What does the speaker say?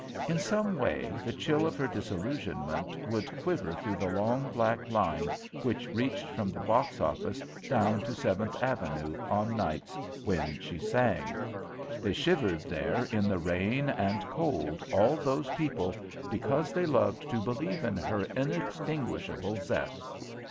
In some way the chill of her disillusionment would quiver through the long, black line which reached from the box office down to Seventh Avenue on nights when she sang. They shivered there in the rain and cold, all those people, because they loved to believe in her inextinguishable zest.